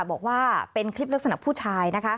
บอกว่าเป็นคลิปลักษณะผู้ชายนะคะ